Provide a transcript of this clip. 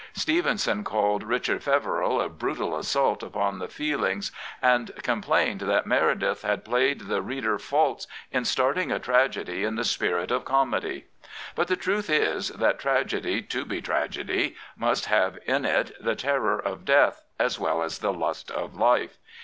Stevenson called Richard Fever cl a brutal assault upon the feelings, and complained that Meredith had played the reader false in starting a tragedy in the spirit of comedy. But the truth is that tragedy to, be tragedy must have in it the teirror of death as well as the lust of life.